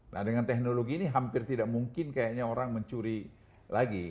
nah dengan teknologi ini hampir tidak mungkin kayaknya orang mencuri lagi